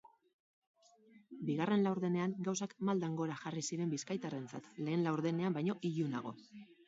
Bigarren laurdenean gauzak maldan gora jarri ziren bizkaitarrentzat, lehen laurdenean baino ilunago.